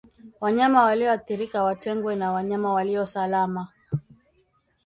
Wanyama walioathirika watengwe na wanyama walio salama